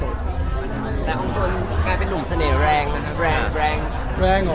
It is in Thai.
แล้วของตัวนี้กลายเป็นหนุ่มเสน่ห์แรงนะครับ